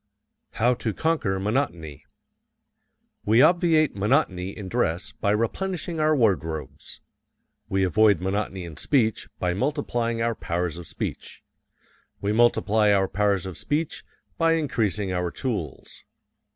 How to Conquer Monotony We obviate monotony in dress by replenishing our wardrobes. We avoid monotony in speech by multiplying our powers of speech. We multiply our powers of speech by increasing our tools.